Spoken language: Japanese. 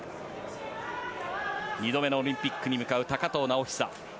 ２度目のオリンピックに向かう高藤直寿。